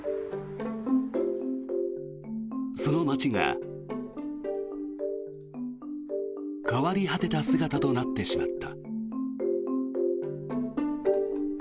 その街が、変わり果てた姿となってしまった。